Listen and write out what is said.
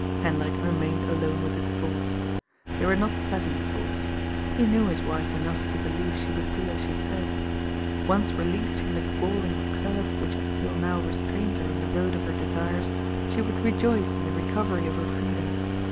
Hendrik remained alone with his thoughts. They were not pleasant thoughts. He knew his wife enough to be lieve she would do as she said. Once released from the galling curb which had till now restrained her on the road of her desires, she would rejoice in the recovery of her free dom.